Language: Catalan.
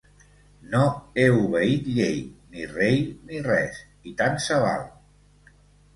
No he obeït llei, ni rei, ni res. I, tant se val!